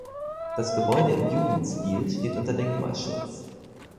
Das Gebäude im Jugendstil steht unter Denkmalschutz.